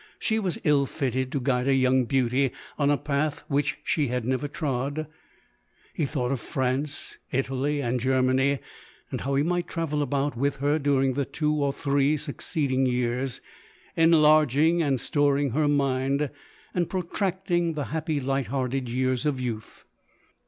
She was ill fitted to guide a young beauty on a path which slu had never trod He thought of France, Italy. and Germany, and how he might travel about with her during the two or three succeeding years, enlarging and storing her mind, and pro tracting the happy light hearted years of youth.